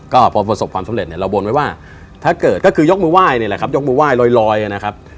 ก็พอประสบความสำเร็จเนี่ยเราบนไว้ว่าถ้าเกิดก็คือยกมือไหว้นี่แหละครับยกมือไห้ลอยนะครับ